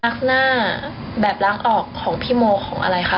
รักหน้าแบบรักออกของพี่โมของอะไรค่ะ